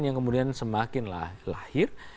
yang kemudian semakin lahir